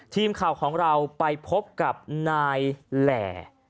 ทีมข่าวของเราไปพบกับนายแหล่